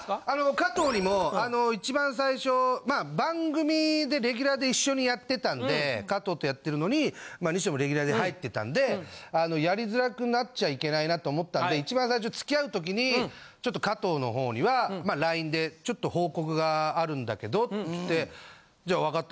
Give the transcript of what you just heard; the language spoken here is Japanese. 加藤にもあの一番最初まあ番組でレギュラーで一緒にやってたんで加藤とやってるのに西野もレギュラーで入ってたんでやりづらくなっちゃいけないなと思ったんで一番最初付き合うときにちょっと加藤の方にはＬＩＮＥでちょっと報告があるんだけどっつって「じゃあ分かった。